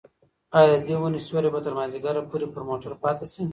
ایا د دې ونې سیوری به تر مازدیګره پورې پر موټر پاتې شي؟